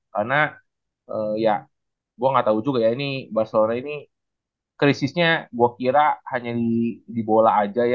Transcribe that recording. karena ya gue nggak tahu juga ya ini barcelona ini krisisnya gue kira hanya di bola aja ya